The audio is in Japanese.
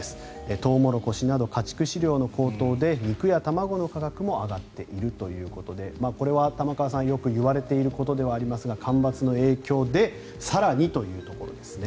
トウモロコシなど家畜飼料の高騰で肉や卵の価格も上がっているということでこれは玉川さんよくいわれていることではありますが干ばつの影響で更にというところですね。